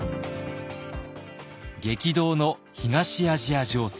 激動の東アジア情勢。